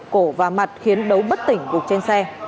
cổ và mặt khiến đấu bất tỉnh gục trên xe